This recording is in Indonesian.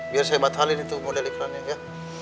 biar saya batalin itu model iklannya ya